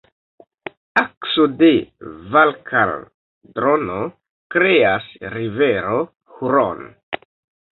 Akso de valkaldrono kreas rivero Hron.